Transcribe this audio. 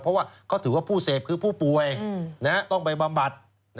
เพราะว่าเขาถือว่าผู้เสพคือผู้ป่วยต้องไปบำบัด